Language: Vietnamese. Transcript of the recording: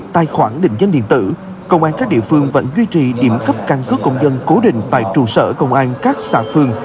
thời gian này công an các địa phương vẫn duy trì điểm cấp căn cứ công dân cố định